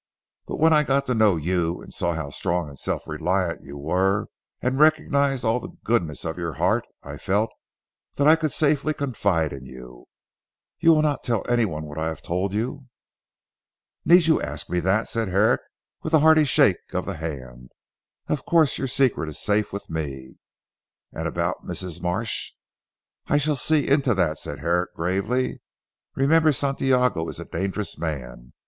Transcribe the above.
But when I got to know you and saw how strong and self reliant you were, and recognised also the goodness of your heart I felt that I could safely confide in you, You will not tell anyone what I have told you?" "Need you ask me that!" said Herrick with a hearty shake of the hand. "Of course your secret is safe with me." "And about Mrs. Marsh?" "I shall see into that," said Herrick gravely. "Remember Santiago is a dangerous man.